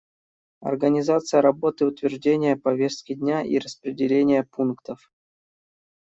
Организация работы, утверждение повестки дня и распределение пунктов.